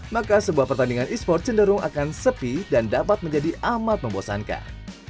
maka sebuah pertandingan e sports cenderung akan sepi dan dapat menjadi amat membosankan